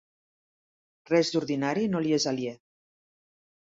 Res d'ordinari no li és aliè.